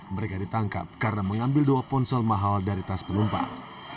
mereka ditangkap karena mengambil dua ponsel mahal dari tas penumpang